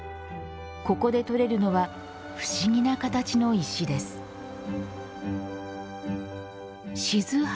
ここで採れるのは不思議な形の石です。